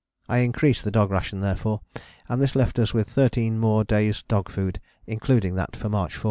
I increased the dog ration therefore, and this left us with thirteen more days' dog food, including that for March 4.